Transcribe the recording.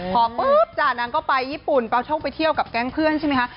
พอปุ๊บจ้านางก็ไปญี่ปุ่นเปล่าช่องไปเที่ยวกับแก๊งเพื่อนใช่ไหมคะ